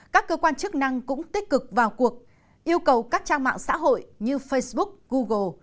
các cơ quan chức năng cũng tích cực vào cuộc yêu cầu các trang mạng xã hội như facebook google